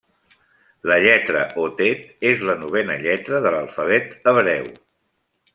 La lletra o tet és la novena lletra de l'alfabet hebreu.